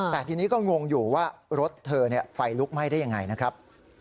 แต่ทีนี้ก็งงอยู่ว่ารถเธอไฟลุกไหม้ได้ยังไงนะครับ